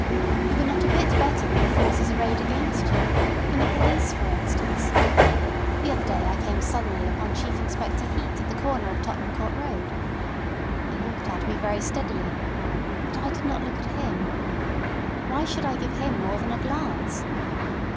"You are not a bit better than the forces arrayed against you—than the police, for instance. The other day I came suddenly upon Chief Inspector Heat at the corner of Tottenham Court Road. He looked at me very steadily. But I did not look at him. Why should I give him more than a glance?